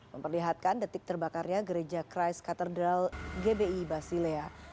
memperlihatkan detik terbakarnya gereja christ katedral gbi basilea